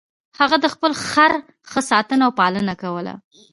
هغه د خپل خر ښه ساتنه او پالنه کوله.